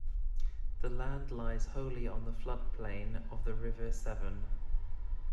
The land lies wholly on the flood plain of the River Severn.